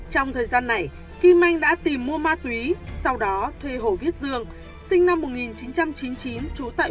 trong thời gian này kim anh đã tìm mua ma túy sau đó thuê hồ viết dương sinh năm một nghìn chín trăm chín mươi chín trú tại